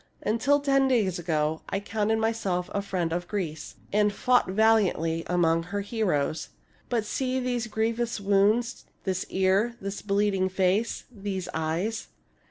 Until ten days ago I counted myself a friend of Greece, aiid fought valiantly among her heroes. But see these grievous wounds, this ear, this bleeding face, these eyes.